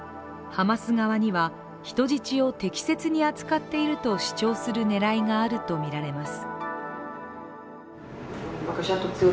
ハマス側には人質を適切に扱っていると主張する狙いがあるとみられます。